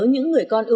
những người con ưu